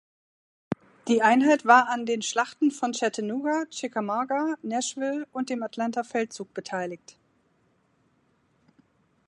Die Einheit war an den Schlachten von Chattanooga, Chickamauga, Nashville und dem Atlanta-Feldzug beteiligt.